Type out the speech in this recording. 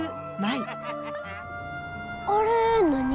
あれ何？